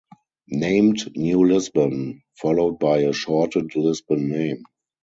Named "New Lisbon", followed by a shortened "Lisbon" name.